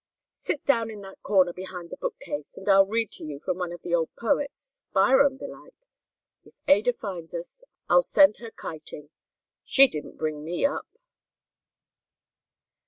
Sit down in that corner behind the bookcase and I'll read to you from one of the old poets, Byron, belike. If Ada finds us, I'll send her kiting. She didn't bring me up."